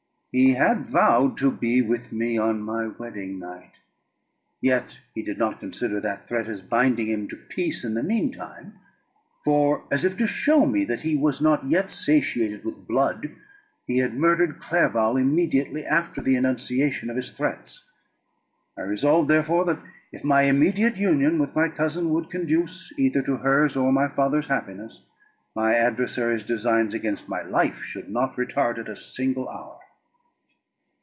He had vowed to be with me on my wedding night, yet he did not consider that threat as binding him to peace in the mean time; for, as if to show me that he was not yet satiated with blood, he had murdered Clerval immediately after the enunciation of his threats. I resolved, therefore, that if my immediate union with my cousin would conduce either to hers or my father's happiness, my adversary's designs against my life should not retard it a single hour.